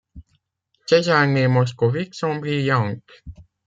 Ces années moscovites sont brillantes.